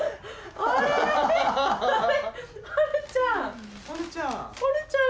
あるちゃん。